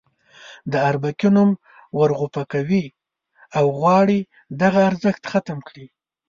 د اربکي نوم ورغوپه کوي او غواړي دغه ارزښت ختم کړي.